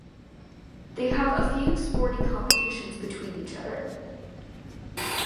They have a few sporty competitions between each other.